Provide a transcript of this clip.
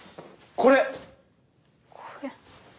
これ？